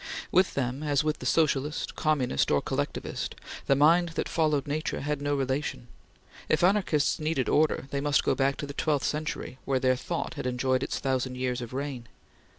With them, as with the socialist, communist, or collectivist, the mind that followed nature had no relation; if anarchists needed order, they must go back to the twelfth century where their thought had enjoyed its thousand years of reign.